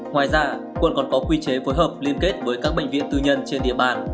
ngoài ra quận còn có quy chế phối hợp liên kết với các bệnh viện tư nhân trên địa bàn